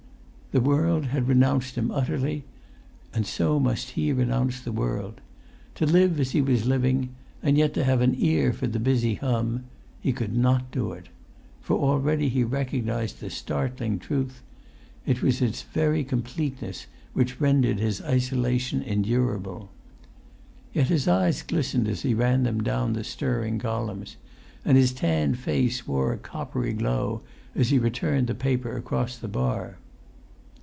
The world had renounced him utterly, and so must he renounce the world. To live as he was living, and yet to have an ear for the busy hum—he could not do it. For already he recognized the startling truth: it was its very completeness which rendered his isolation endurable. Yet his eyes glistened as he ran them down the stirring columns, and his tanned face wore a coppery glow as he returned the paper across the bar.